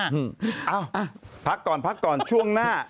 เอ้าพักก่อนพักก่อนช่วงหน้า